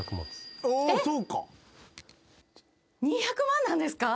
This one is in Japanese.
２００万なんですか！？